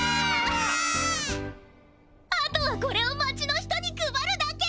あとはこれを町の人に配るだけ！